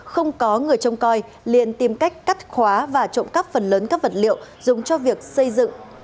không có người trông coi liền tìm cách cắt khóa và trộm cắp phần lớn các vật liệu dùng cho việc xây dựng